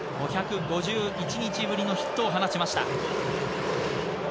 ５５１日ぶりのヒットを放ちました。